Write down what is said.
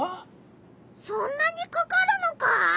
そんなにかかるのか！？